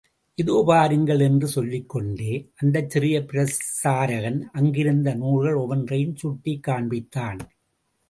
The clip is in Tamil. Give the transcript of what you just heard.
இதோ பாருங்கள் என்று சொல்லிக் கொண்டே அந்தச் சிறிய பிரசாரகன் அங்கிருந்த நூல்கள் ஒவ்வொன்றையும் சுட்டிக் காண்பித்தான்.